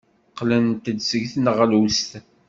Qqlent-d seg tneɣlust.